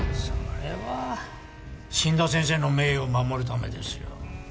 それは死んだ先生の名誉を守るためですよ。